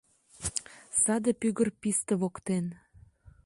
...Саде пӱгыр писте воктен